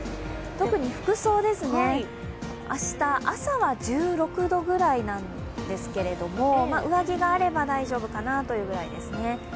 特に服装ですね、明日朝は１６度ぐらいなんですけれども上着があれば大丈夫かなというぐらいですね。